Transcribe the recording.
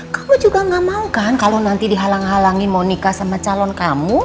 kamu juga gak mau kan kalau nanti dihalang halangi mau nikah sama calon kamu